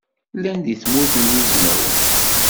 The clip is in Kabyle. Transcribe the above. Llan deg Tmurt n Yizwawen.